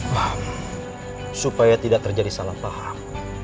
paham supaya tidak terjadi salah paham